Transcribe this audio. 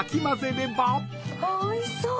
おいしそう！